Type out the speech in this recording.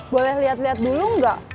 boleh liat liat dulu enggak